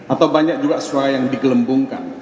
atau banyak juga suara yang digelembungkan